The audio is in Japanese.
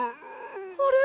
あれ？